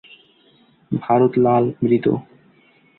ভারত লাল, মৃত।